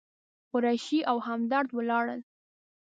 قریشي او همدرد ولاړل.